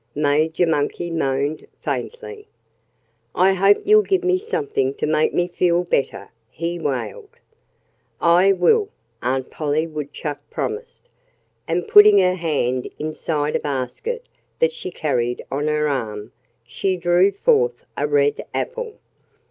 Major Monkey moaned faintly. "I hope you'll give me something to make me feel better," he wailed. "I will," Aunt Polly Woodchuck promised. And putting her hand inside a basket that she carried on her arm, she drew forth a red apple.